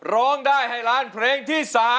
ร้องได้ให้ล้านเพลงที่๓